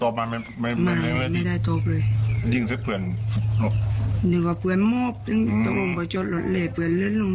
ไปรึมายังไงคือ